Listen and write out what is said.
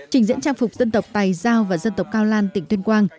trình diễn trang phục dân tộc tài giao và dân tộc cao lan tỉnh tuyên quang